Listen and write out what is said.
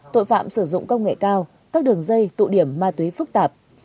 tội phạm sử dụng công nghệ cao các đường dây tụ điểm ma túy phức tạp